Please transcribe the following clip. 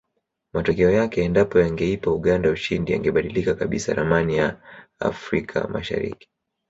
Matokeo yake endapo yangeipa Uganda ushindi yangebadilisha kabisa ramani ya Afrika mashariki